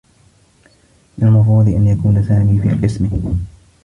من المفروض أن يكون سامي في القسم.